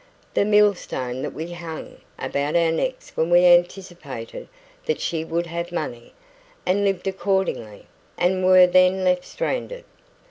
"The millstone that we hung about our necks when we anticipated that she would have money, and lived accordingly, and were then left stranded.